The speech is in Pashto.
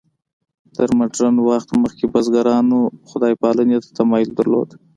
تر مډرن وخت مخکې بزګرانو خدای پالنې ته تمایل درلود.